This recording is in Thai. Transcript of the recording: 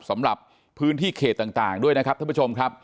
สำหรับพื้นที่เขตต่างด้วยนะครับท่านผู้ชมครับ